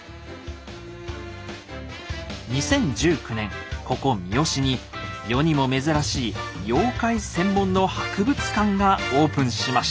２０１９年ここ三次に世にも珍しい妖怪専門の博物館がオープンしました。